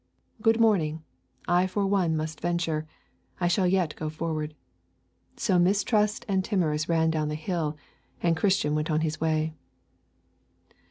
'Good morning! I for one must venture. I shall yet go forward.' So Mistrust and Timorous ran down the hill, and Christian went on his way.